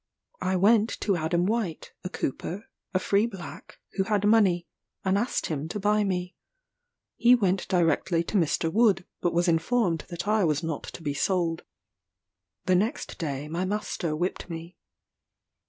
I went to Adam White, a cooper, a free black, who had money, and asked him to buy me. He went directly to Mr. Wood, but was informed that I was not to be sold. The next day my master whipped me.